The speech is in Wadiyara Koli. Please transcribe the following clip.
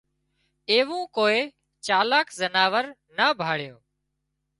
ايوون ڪوئي چالاڪ زناور نا ڀاۯيون